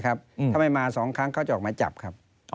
ถ้าไม่มา๒ครั้งเขาจะออกมาจับ